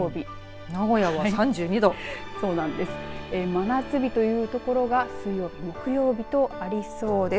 真夏日という所が水曜日、木曜日とありそうです。